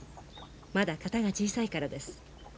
まだ型が小さいからです。